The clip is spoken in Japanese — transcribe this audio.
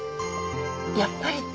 やっぱりって。